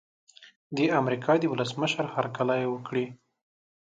د امریکا د ولسمشر هرکلی وکړي.